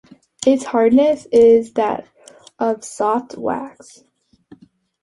Its hardness is that of soft wax.